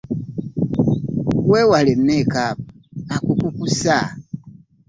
Weewale mekaapu akukukusa.